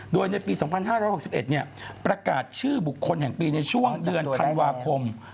โดยในปี๒๕๖๑ประกาศชื่อบุคคลแห่งปีในช่วงเดือนธันวาคม